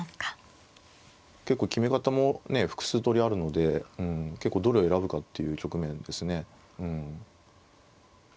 結構決め方も複数通りあるので結構どれを選ぶかっていう局面ですね。